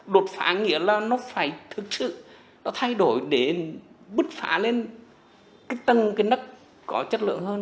đột phá nghĩa là nó phải thực sự nó thay đổi để bứt phá lên cái tầng cái nức có chất lượng hơn